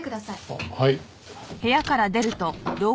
あっはい。